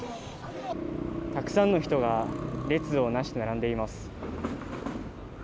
たくさんの人が列をなして並んでいます。